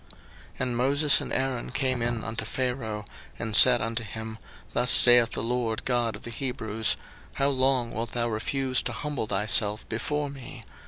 02:010:003 And Moses and Aaron came in unto Pharaoh, and said unto him, Thus saith the LORD God of the Hebrews, How long wilt thou refuse to humble thyself before me?